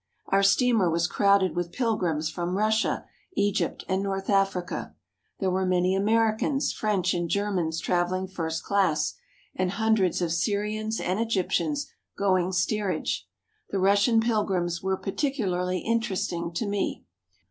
Our steamer was crowded with pilgrims from Russia, Egypt, and north Africa. There were many Americans, French, and Germans travelling first class, and hundreds of Syrians and Egyptians going steerage. The Russian pilgrims were particularly interesting to me.